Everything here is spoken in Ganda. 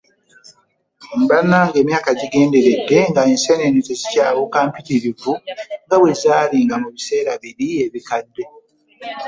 Banange emyaka gigenderede nga ensenene tezikyabuuka mpitirivu nga bwezalinga mu biseera biri ebikadde.